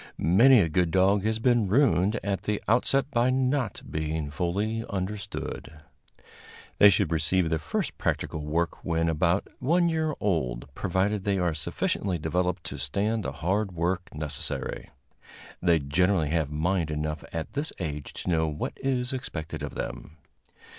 Many a good dog has been ruined at the outset by not being fully understood. They should receive their first practical work when about one year old, provided they are sufficiently developed to stand the hard work necessary. They generally have mind enough at this age to know what is expected of them.